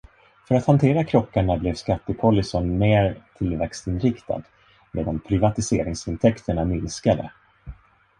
För att hantera krockarna blev skattepolicyn mer tillväxtinriktad, medan privatiseringsintäkterna minskade.